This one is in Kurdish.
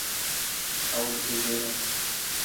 Ew dibijêre.